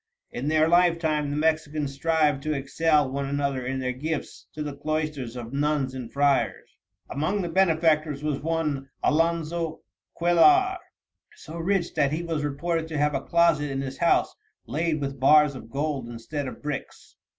In their lifetime the Mexicans strive to excel one another in their gifts to the cloisters of nuns and friars." "Among the benefactors was one, Alonzo Cuellar, so rich that he was reported to have a closet in his house laid with bars of gold instead of bricks.